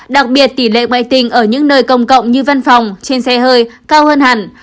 đặc biệt tỷ lệ ngoại tình ở những nơi công cộng như văn phòng trên xe hơi cao hơn hẳn